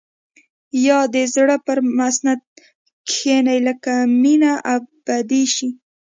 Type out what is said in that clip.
يا د زړه پر مسند کښيني لکه مينه ابدي شي.